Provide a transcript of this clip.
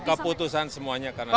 keputusan semuanya karena sudah